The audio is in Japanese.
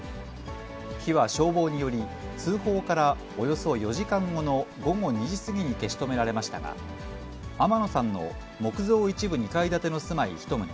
火は消防により、通報からおよそ４時間後の午後２時過ぎに消し止められましたが、天野さんの木造一部２階建ての住まい１棟